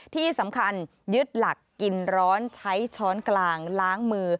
ที่สำคัญยึดหลักกินร้อนใช้ช้อนกลางล้างมือ